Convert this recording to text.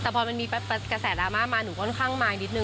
แต่พอมันมีกระแสดราม่ามาหนูค่อนข้างมายนิดนึ